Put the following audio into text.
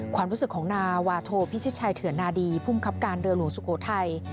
ความรู้สึกของนาวาโทพิชิตชัยเถื่อนนาดีภูมิคับการเรือหลวงสุโขทัย